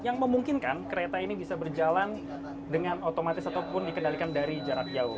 yang memungkinkan kereta ini bisa berjalan dengan otomatis ataupun dikendalikan dari jarak jauh